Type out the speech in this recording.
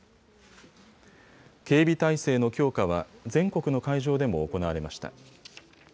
警備体制の強化は全国の会場でも行われました。